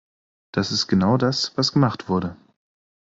Das ist genau das, was gemacht wurde.